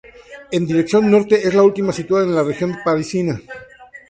En dirección norte es la última situada en la región parisina.